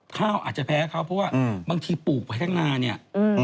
ข้าวอาจจะแพ้เขาเพราะว่าบางทีปลูกไปทั้งงานเนี่ย